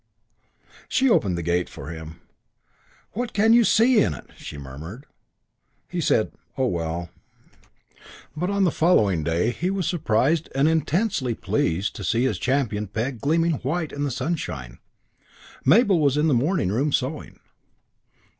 She opened the gate for him. "What you can see in it!" she murmured. He said, "Oh, well!" III But on the following day he was surprised and intensely pleased to see his champion peg gleaming white in the sunshine. Mabel was in the morning room, sewing.